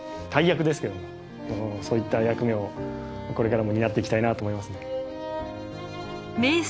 大役ですけどもそういった役目をこれからも担っていきたいなと思いますね。